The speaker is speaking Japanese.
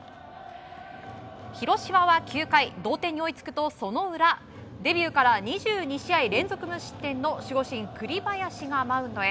広島は９回、同点に追いつくとその裏、デビューから２２試合連続無失点の守護神・栗林がマウンドへ。